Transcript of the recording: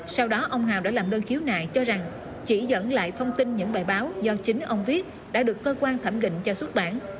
sau đó ông hào đã làm đơn khiếu nại cho rằng chỉ dẫn lại thông tin những bài báo do chính ông viết đã được cơ quan thẩm định cho xuất bản